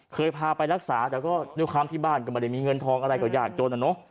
เคยพาไปรักษาแต่ก็ด้วยความที่บ้านก็ไม่ได้มีเงินทองอะไรก็ยากจนอ่ะเนอะ